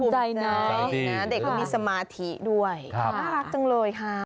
เด็กก็มีสมาธิด้วยน่ารักจังเลยค่ะ